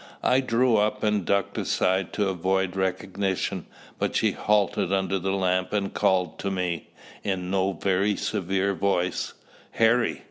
I drew up and ducked aside to avoid recognition, but she halted under the lamp and called to me, in no very severe voice "Harry!"